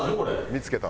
見付けた。